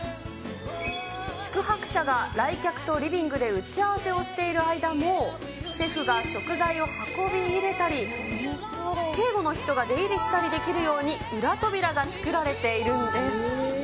宿泊者が来客とリビングで打ち合わせをしている間も、シェフが食材を運び入れたり、警護の人が出入りしたりできるように、裏扉が作られているんです。